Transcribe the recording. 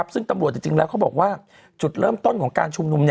ซึ่งตำรวจจริงแล้วเขาบอกว่าจุดเริ่มต้นของการชุมนุม